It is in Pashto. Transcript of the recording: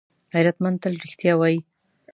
غیرتمند تل رښتیا وايي